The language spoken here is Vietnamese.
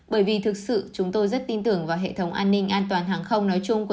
bởi vì thực sự chúng tôi rất tin tưởng vào hệ thống an toàn hàng không